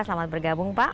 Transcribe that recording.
selamat bergabung pak